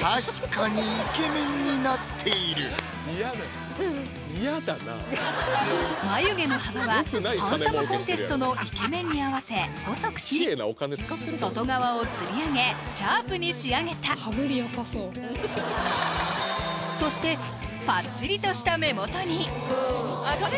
確かにイケメンになっている嫌だ嫌だな眉毛の幅はハンサムコンテストのイケメンに合わせ細くし外側をつり上げシャープに仕上げた羽振りよさそうそしてパッチリとした目元に髪型